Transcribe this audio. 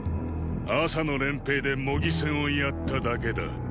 朝の練兵で模擬戦をやっただけだ。